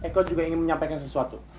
eko juga ingin menyampaikan sesuatu